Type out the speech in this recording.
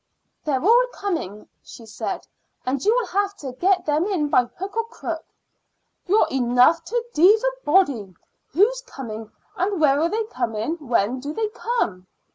"They're all coming," she said, "and you will have to get them in by hook or crook." "You're enough to deave a body. Who's coming, and where are they coming when they do come?"